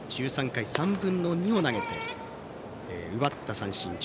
１３回３分の２を投げて奪った三振１３